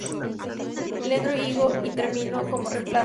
Leandro Higo intervino como reemplazo.